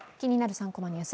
３コマニュース」